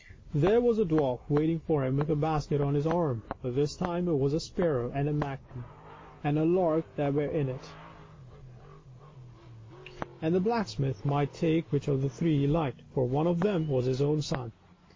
There was the dwarf waiting for him with a basket on his arm, but this time it was a sparrow and a magpie and a lark that were in it, and the ):o 312 THE BEST THAT LIFE HAS TO GIVE. blacksmith might take which of the three he liked, for one of them was his own son.